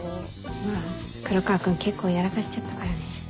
まぁ黒川君結構やらかしちゃったからね。